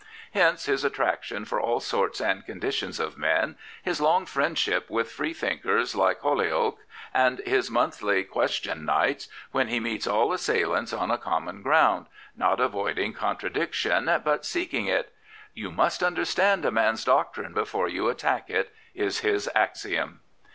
Hence his attraction for all sorts and conditions of men, his long friendship with Freethinkers like Holy oake, and his monthly " Question Nights," when he meets all assailants on a common ground, not avoid ing contradiction, but seeking it. " You must under stand a man's doctrine before you attack it " is his axiom.